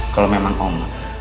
kalau memang om